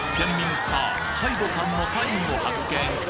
スターｈｙｄｅさんのサインを発見！